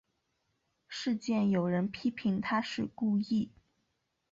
事件有人批评她是故意。